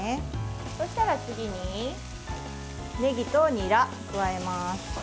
そうしたら次にねぎとにらを加えます。